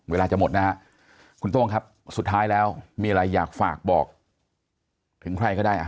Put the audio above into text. เวลาจะหมดนะฮะคุณโต้งครับสุดท้ายแล้วมีอะไรอยากฝากบอกถึงใครก็ได้